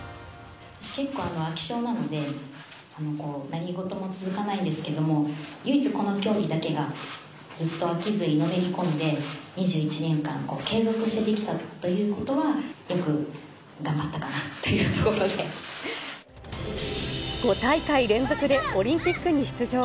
結構、飽き性なので、何事も続かないんですけれども、唯一、この競技だけがずっと飽きずにのめり込んで、２１年間、継続してできたということは、５大会連続でオリンピックに出場。